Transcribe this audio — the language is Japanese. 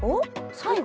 最後。